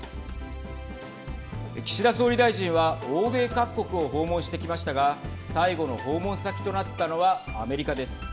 岸田総理大臣は欧米各国を訪問してきましたが最後の訪問先となったのはアメリカです。